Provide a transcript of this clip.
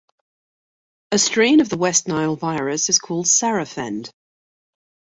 A strain of the West Nile Virus is called 'Sarafend'.